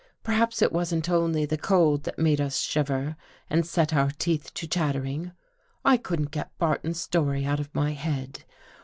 Perhaps it wasn't only the cold that made us shiver and set our teeth to chattering. I couldn't get Barton's story out of my head.